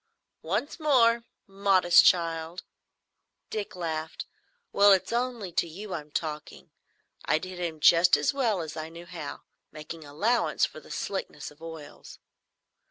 "Once more, modest child!" Dick laughed. "Well, it's only to you I'm talking. I did him just as well as I knew how, making allowance for the slickness of oils.